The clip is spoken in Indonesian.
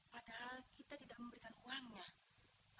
padahal kita tidak memberikan uangnya